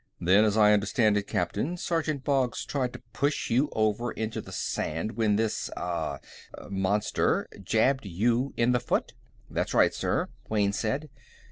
"Then, as I understand it, Captain, Sergeant Boggs tried to push you over into the sand when this ah monster jabbed you in the foot?" "That's right, sir," Wayne said.